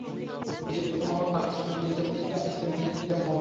নিজেকে ক্রমাগত আঘাত করুন, নিজের প্রতি চ্যালেঞ্জ ছুড়ে দিন প্রতিটি মুহূর্তেই।